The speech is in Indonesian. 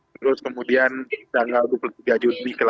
terus kemudian tanggal dua puluh tiga juni ke delapan